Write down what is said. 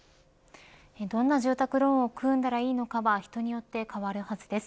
どんな住宅ローンを組んだらいいのかは人によって変わるはずです。